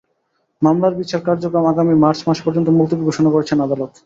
মামলার বিচার কার্যক্রম আগামী মার্চ মাস পর্যন্ত মুলতবি ঘোষণা করেছেন আদালত।